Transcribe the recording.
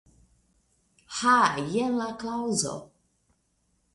Ha, jen la kaŭzo.